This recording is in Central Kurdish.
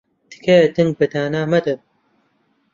تکایە دەنگ بە دانا مەدەن.